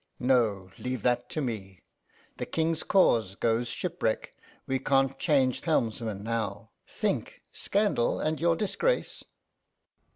'No, leave that to me. The King's cause goes shipwreck; we can't change helmsman now. Think scandal and your disgrace!